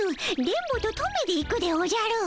電ボとトメで行くでおじゃる。